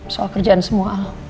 soal kerjaan semua